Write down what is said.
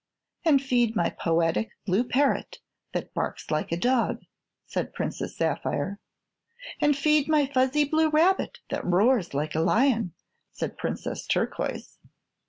"And feed my poetic blue parrot that barks like a dog," said Princess Sapphire. "And feed my fuzzy blue rabbit that roars like a lion," said Princess Turquoise.